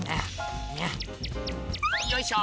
よいしょ！